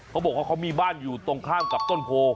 เขาบอกว่าเขามีบ้านอยู่ตรงข้ามกับต้นโพ